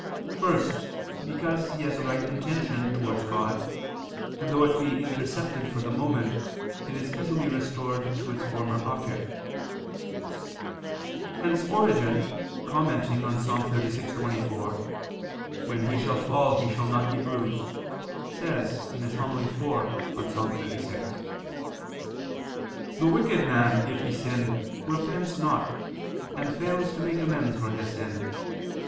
First, because he has a right intention towards God, and though it be intercepted for the moment, it is easily restored to its former object. Hence Origen commenting on Ps. 36:24, "When he shall fall he shall not be bruised," says (Hom. iv in Ps. 36): "The wicked man, if he sin, repents not, and fails to make amends for his sin.